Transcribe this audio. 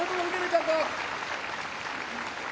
ちゃんと。